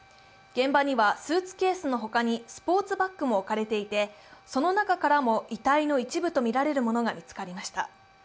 現場にはスーツケースの他にスポーツバッグも置かれていてその中からも、遺体の一部とみられるものが見つかりました。